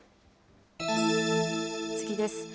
次です。